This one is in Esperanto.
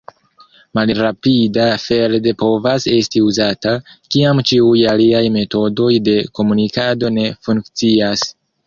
Malrapida feld povas esti uzata, kiam ĉiuj aliaj metodoj de komunikado ne funkcias.